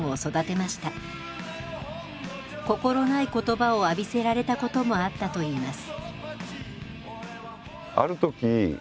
心ない言葉を浴びせられたこともあったといいます。